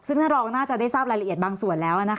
ซึ่งท่านรองน่าจะได้ทราบรายละเอียดบางส่วนแล้ว